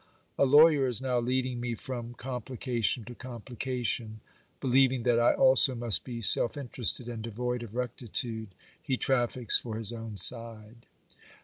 A lawyer is now leading me from com plication to complication ; believing that I also must be self interested and devoid of rectitude, he traffics for his own side.